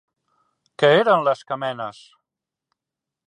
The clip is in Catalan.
Què eren les camenes?